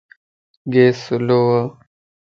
گيس سلووَ